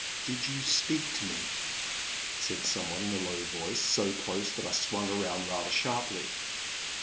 Did you speak to me ?" said some one in a low voice, so close that I swung around rather sharply.